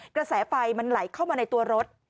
กระแสไฟมันไหลเข้ามาในตัวรถ